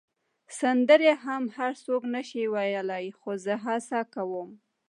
سندرې هم هر څوک نه شي ویلای، خو زه هڅه کوم.